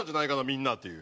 みんなっていう。